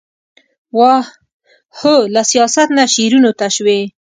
واه ! هو له سياست نه شعرونو ته شوې ،